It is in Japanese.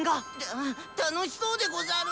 あ楽しそうでござる！